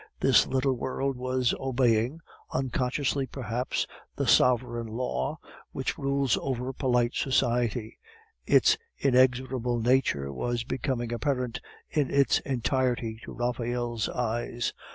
This little world was obeying, unconsciously perhaps, the sovereign law which rules over polite society; its inexorable nature was becoming apparent in its entirety to Raphael's eyes.